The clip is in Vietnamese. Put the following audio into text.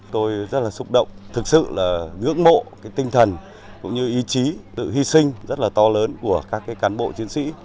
tôi rất là xúc động thực sự ngưỡng mộ tinh thần ý chí sự hy sinh rất to lớn của các cán bộ chiến sĩ